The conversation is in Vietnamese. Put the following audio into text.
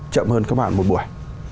chậm hơn các bạn một buổi